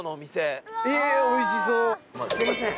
すいません。